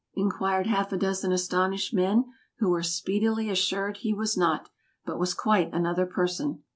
inquired half a dozen astonished men, who were speedily assured he was not, but was quite another person.